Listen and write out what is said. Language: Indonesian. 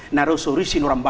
ini yang memiliki penyelamat